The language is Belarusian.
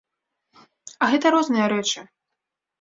А гэта розныя рэчы.